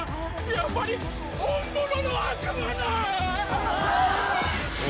やっぱり本物の悪魔だあ！